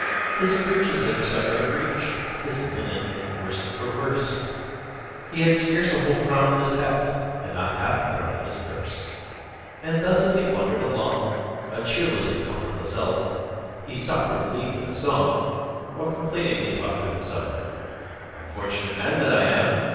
His breeches had suffered a breach, His linen and worsted were worse; He had scarce a whole crown in his hat, And not half a crown in his purse. And thus as he wandered along, A cheerless and comfortless elf, He sought for relief in a song, Or complainingly talked to himself:— "Unfortunate man that I am!